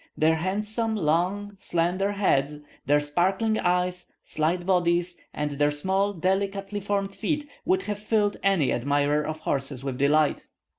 Their handsome, long, slender heads, their sparkling eyes, slight bodies, and their small delicately formed feet, would have filled any admirer of horses with delight.